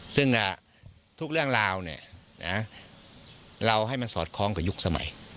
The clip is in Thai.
ซึ่งทุกเรื่องราวเราให้มันสอดคล้องกับยุคสมัย